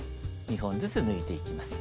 ２本ずつ抜いていきます。